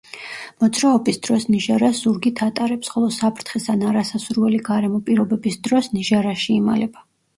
მოძრაობის დროს ნიჟარას ზურგით ატარებს, ხოლო საფრთხის ან არასასურველი გარემო პირობების დროს ნიჟარაში იმალება.